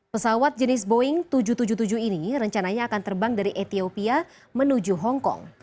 pesawat jenis boeing tujuh ratus tujuh puluh tujuh ini rencananya akan terbang dari ethiopia menuju hongkong